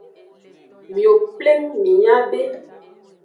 Miwo pleng minya be.